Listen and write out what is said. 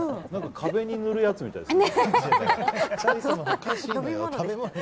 壁に塗るやつみたいですね。